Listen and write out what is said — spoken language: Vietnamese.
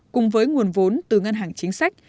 cùng với nguồn vốn từ ngân hàng chính sách